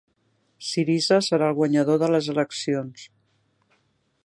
Syriza serà el guanyador de les eleccions